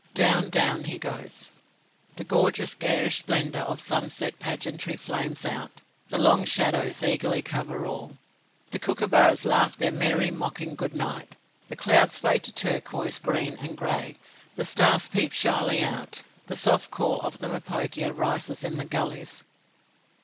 Down, down he goes. The gorgeous, garish splendour of sunset pageantry flames out; the long shadows eagerly cover all; the kookaburras laugh their merry mocking good night; the clouds fade to turquoise, green, and grey; the stars peep shyly out; the soft call of the mopoke arises in the gullies!